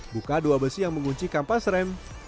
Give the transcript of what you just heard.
buka dua besi yang mengunci kampas rem